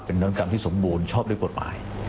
เป็นนวัตกรรมที่สมบูรณ์ชอบด้วยกฎหมาย